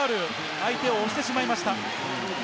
相手を押してしまいました。